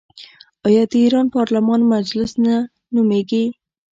آیا د ایران پارلمان مجلس نه نومیږي؟